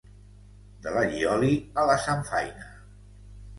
de l'allioli a la samfaina